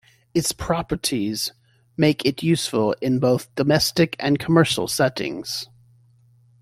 Its properties make it useful in both domestic and commercial settings.